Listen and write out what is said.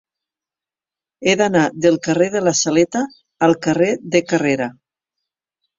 He d'anar del carrer de la Saleta al carrer de Carrera.